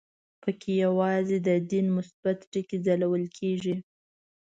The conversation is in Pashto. په کې یوازې د دین مثبت ټکي ځلول کېږي.